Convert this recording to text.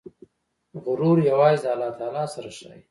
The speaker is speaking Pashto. غرور یوازې د الله تعالی سره ښایي.